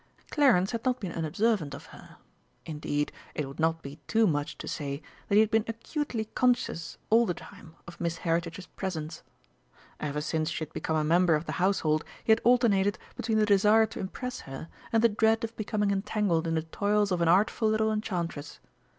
Clarence had not been unobservant of her indeed it would not be too much to say that he had been acutely conscious all the time of Miss Heritage's presence. Ever since she had become a member of the household he had alternated between the desire to impress her and the dread of becoming entangled in the toils of an artful little enchantress.